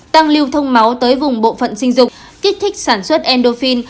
tăng lưu thông máu tới vùng bộ phận sinh dục kích thích sản xuất endofin